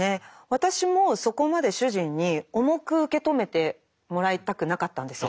私もそこまで主人に重く受け止めてもらいたくなかったんですよ。